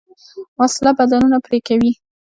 وسله بدنونه پرې کوي